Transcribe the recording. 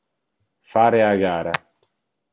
Fare a gara.